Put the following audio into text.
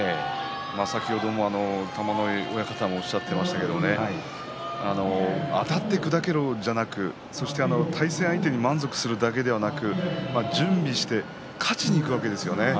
先ほども玉ノ井親方もおっしゃっていますけどあたって砕けろじゃなく対戦相手に満足するだけではなく準備して勝ちにいくわけですよね。